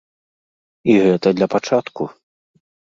І гэта для пачатку.